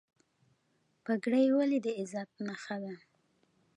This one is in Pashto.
پګړۍ ولې د عزت نښه ده؟